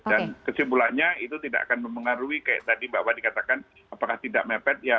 dan kesimpulannya itu tidak akan mempengaruhi kayak tadi mbak wadi katakan apakah tidak mepet